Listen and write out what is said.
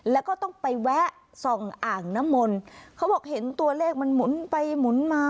แล้วก็ต้องไปแวะส่องอ่างน้ำมนต์เขาบอกเห็นตัวเลขมันหมุนไปหมุนมา